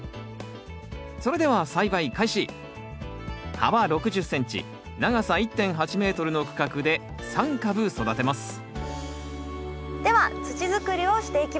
幅６０ｃｍ長さ１．８ｍの区画で３株育てますでは土づくりをしていきましょう。